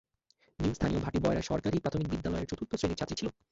মিম স্থানীয় ভাটি বয়রা সরকারি প্রাথমিক বিদ্যালয়ের চতুর্থ শ্রেণির ছাত্রী ছিল।